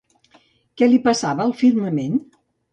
Què li passava al firmament?